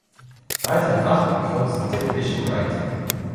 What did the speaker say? Weitere Fachbücher sind "Television Writing.